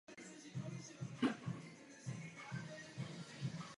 Žádný takový název země nebo události nikdy neexistoval.